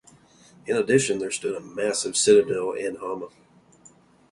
In addition, there stood a massive citadel in Hama.